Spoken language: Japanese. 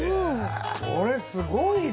これすごいね！